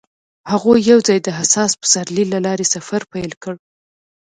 هغوی یوځای د حساس پسرلی له لارې سفر پیل کړ.